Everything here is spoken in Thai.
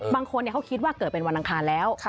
บางคนเขาคิดว่าเกิดเป็นวันอังคารแล้ว